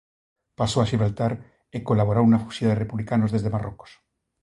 Pasou a Xibraltar e colaborou na fuxida de republicanos desde Marrocos.